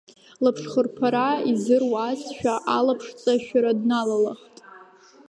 Лаԥшхырԥара изыруазшәа, алаԥшҵашәара дналалахт.